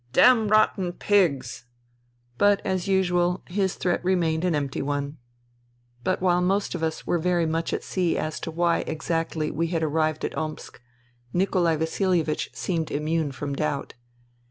" Damrotten pigs !" But, as usual, his threat remained an empty one. But while most of us were very much at sea as to INTERVENING IN SIBERIA 163 why exactly we had arrived at Omsk, Nikolai Vasilievich seemed immune from doubt.